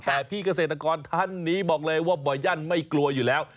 แต่พี่เกษตรกรท่านนี้บอกเลยว่าบ่อยั่นไม่กลัวอยู่แล้ว